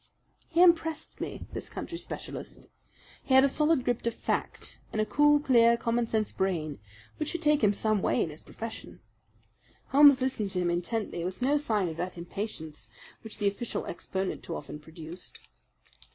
He impressed me, this country specialist. He had a solid grip of fact and a cool, clear, common sense brain, which should take him some way in his profession. Holmes listened to him intently, with no sign of that impatience which the official exponent too often produced.